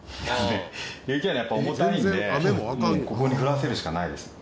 雪はねやっぱ重たいんでもうここに降らせるしかないです。